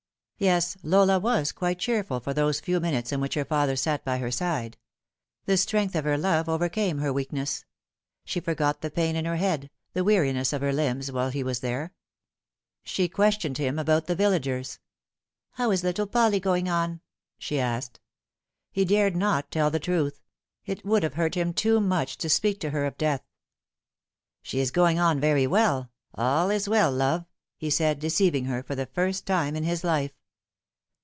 Yes, Lola was quite cheerful for those few minutes in which her father sat by her side. The strength of her love overcame her weakness. She forgot the pain in her head, the weariness of her limbs, while he was there. She questioned him about the villagers. " How is little Polly going on ?" sne asked. He dared not tell the truth. It would have hurt him too much to speak to her of death. " She is going on very well ; all is well, love," he said, deceiv ing her for the first time in his life.